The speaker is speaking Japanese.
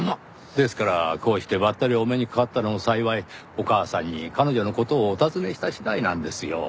ですからこうしてばったりお目にかかったのを幸いお母さんに彼女の事をお尋ねした次第なんですよ。